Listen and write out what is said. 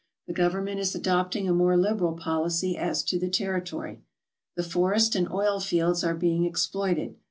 The Govern ment is adopting a more liberal policy as to the territory. The forest and oil fields are being exploited.